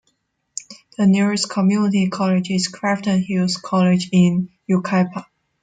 The nearest community college is Crafton Hills College in Yucaipa.